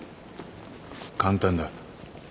簡単だ。